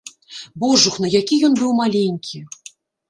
Божухна, які ён быў маленькі!